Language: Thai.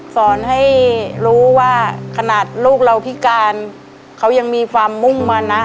สอนให้รู้ว่าขนาดลูกเราพิการเขายังมีความมุ่งมานะ